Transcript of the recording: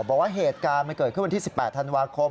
บอกว่าเหตุการณ์มันเกิดขึ้นวันที่๑๘ธันวาคม